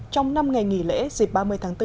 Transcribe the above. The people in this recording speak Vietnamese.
trong năm ngày nghỉ lễ dịp ba mươi tháng bốn